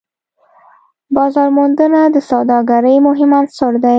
بازارموندنه د سوداګرۍ مهم عنصر دی.